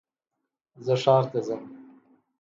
زه ښار ته ځم